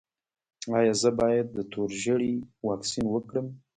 ایا زه باید د تور ژیړي واکسین وکړم؟